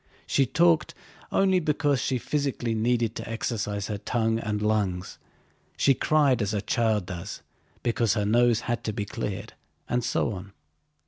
She talked only because she physically needed to exercise her tongue and lungs. She cried as a child does, because her nose had to be cleared, and so on.